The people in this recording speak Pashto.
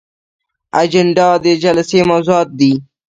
اجنډا د جلسې موضوعات دي